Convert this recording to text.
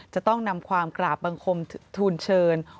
จะต้องนำความกราบบังคมทูลเชิญ